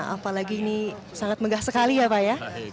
apalagi ini sangat megah sekali ya pak ya